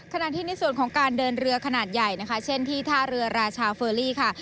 ขณะที่ในส่วนของการเดินเรือขนาดใหญ่นะคะเช่นที่ท่าเรือราชาเฟอรี่ค่ะ